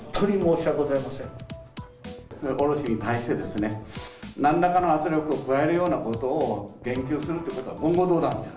仲卸に対してですね、なんらかの圧力を加えるようなことを言及するっていうことは、言語道断。